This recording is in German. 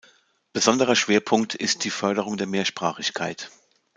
Besonderer Schwerpunkt ist die Förderung der Mehrsprachigkeit.